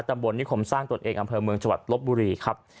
ตำบลนิคมสร้างตนเองอำเภอเมืองจังหวัดลบบุรีครับ